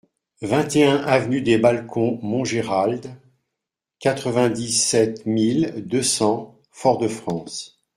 vingt et un avenue des Balcons Montgéralde, quatre-vingt-dix-sept mille deux cents Fort-de-France